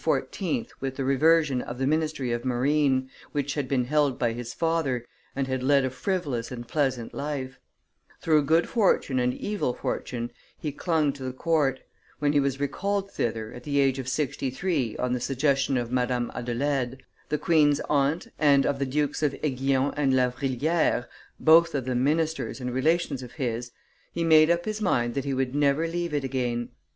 with the reversion of the ministry of marine, which had been held by his father, and had led a frivolous and pleasant life; through good fortune and evil fortune he clung to the court; when he was recalled thither, at the age of sixty three, on the suggestion of Madame Adelaide, the queen's aunt, and of the dukes of Aiguillon and La Vrilliere, both of them ministers and relations of his, he made up his mind that he would never leave it again.